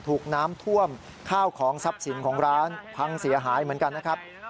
ถูกน้ำท่วมข้าวของทรัพย์สินของร้านพังเสียหายเหมือนกันนะครับ